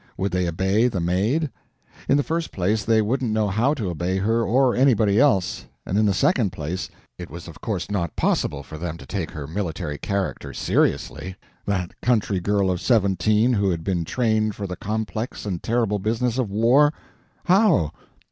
Would they obey the Maid? In the first place they wouldn't know how to obey her or anybody else, and in the second place it was of course not possible for them to take her military character seriously—that country girl of seventeen who had been trained for the complex and terrible business of war—how?